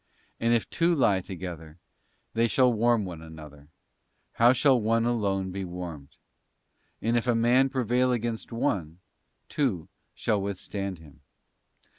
And if two lie together, they shall warm one another: how shall one alone be warmed? And if a man prevail against one, two shall withstand him.